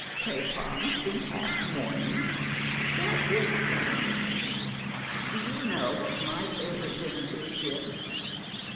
"Capons in hali mourning! That is funny. Do you knov what my favourite dinner is, Sib